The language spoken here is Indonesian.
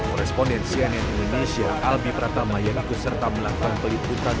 koresponden cnn indonesia albi pratama yang ikut serta melakukan peliputan